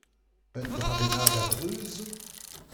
Un dra bennak a-dreuz zo ?